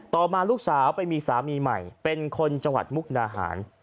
ต่อมาลูกสาวไปมีสามีใหม่เป็นคนจังหวัดมุกนาหาร